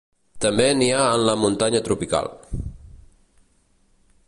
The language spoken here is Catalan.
També n'hi ha en la muntanya tropical.